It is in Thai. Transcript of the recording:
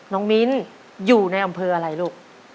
มิ้นอยู่ในอำเภออะไรลูก